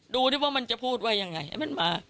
ดูดิว่ามันจะพูดว่ายังไงให้มันมา